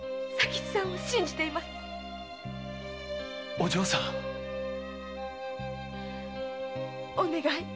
お嬢さんお願い